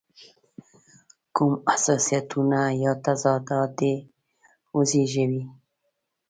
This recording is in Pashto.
کوم حساسیتونه یا تضادات دې وزېږوي.